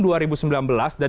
dan di tahun ini